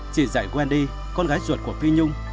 chị dạy wendy con gái ruột của phi nhung